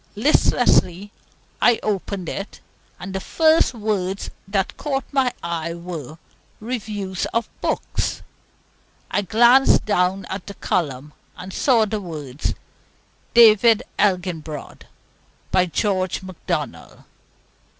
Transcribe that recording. Listlessly I opened it, and the first words that caught my eyes were "Reviews of Books." I glanced down the column, and saw the words, "David Elginbrod," by George Macdonald.